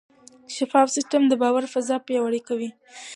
شفاف سیستم د باور فضا پیاوړې کوي.